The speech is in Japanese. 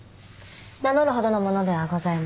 名乗るほどの者ではございません。